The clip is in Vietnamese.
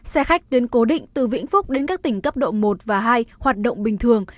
xe khách tuyến cố định từ vĩnh phúc đến các tỉnh cấp độ một và hai hoạt động bình thường